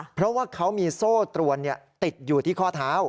เพราะว่าเขามีโซ่ตรวนติดอยู่ที่ข้อเท้า